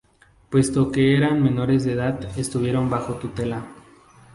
Puesto que eran menores de edad, estuvieron bajo tutela.